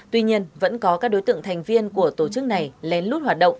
tuy nhiên vẫn có các đối tượng thành viên của tổ chức này lén lút hoạt động